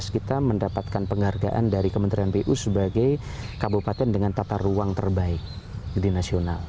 dua ribu empat belas kita mendapatkan penghargaan dari kementerian pu sebagai kabupaten dengan tata ruang terbaik di nasional